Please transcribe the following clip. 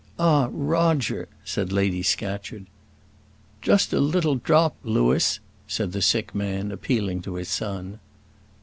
"Ah, Roger!" said Lady Scatcherd. "Just a little drop, Louis," said the sick man, appealing to his son.